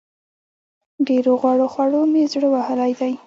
ډېرو غوړو خوړو مې زړه وهلی دی.